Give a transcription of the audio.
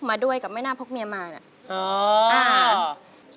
มาด้วยกับแม่หน้าพกเมียมาเนี่ย